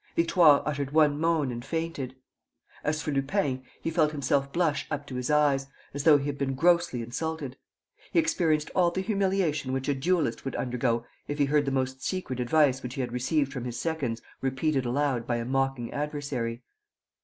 Victoire uttered one moan and fainted. As for Lupin, he felt himself blush up to his eyes, as though he had been grossly insulted. He experienced all the humiliation which a duellist would undergo if he heard the most secret advice which he had received from his seconds repeated aloud by a mocking adversary.